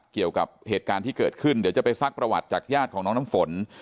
เกี่ยวกับเหตุการณ์ที่เกิดขึ้นเดี๋ยวจะไปซักประวัติจากญาติของน้องน้ำฝน